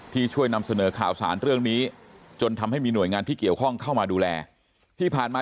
ช่วยนำเสนอข่าวสารเรื่องนี้จนทำให้มีหน่วยงานที่เกี่ยวข้องเข้ามาดูแลที่ผ่านมา